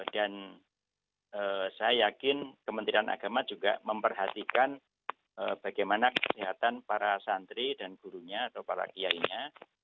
dan saya yakin kementerian agama juga memperhatikan bagaimana kesehatan para santri dan gurunya atau para kiainya